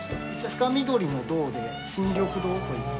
深緑の堂で深緑堂といいます。